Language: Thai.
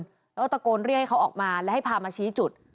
แล้วก็เจอปืนแล้วก็ตะโกนเรียกให้เขาออกมาแล้วให้พามาชี้จุด